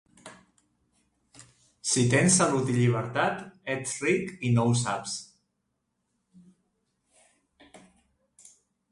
Si tens salut i llibertat, ets ric i no ho saps.